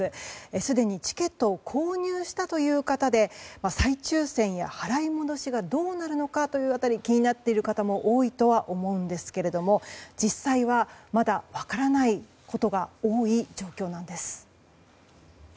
すでにチケットを購入したという方で再抽選や払い戻しがどうなるのかという辺り気になっている方も多いとは思うんですけれども実際は、まだ分からないことが多い状況なんです。